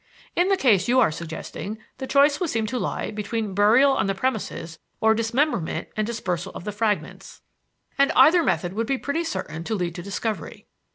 "In the case you are suggesting, the choice would seem to lie between burial on the premises or dismemberment and dispersal of the fragments; and either method would be pretty certain to lead to discovery."